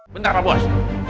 bentar pak bos